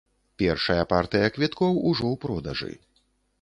Першая партыя квіткоў ужо ў продажы.